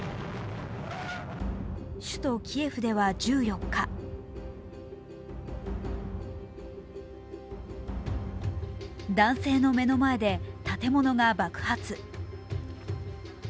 首都キエフでは１４日男性の目の前で建物が爆発。